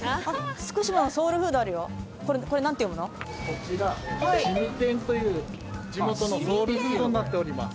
こちら凍天という地元のソウルフードになっております。